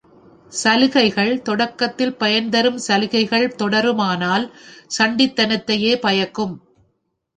சலுகைகள் தொடக்கத்தில் பயன்தரும் சலுகைகள் தொடருமானால் சண்டித்தனத்தையே பயக்கும்.